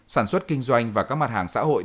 sản xuất kinh doanh và các mặt hàng xã hội